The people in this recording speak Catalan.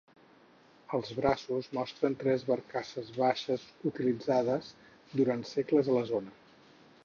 Els braços mostren tres barcasses baixes utilitzades durant segles a la zona.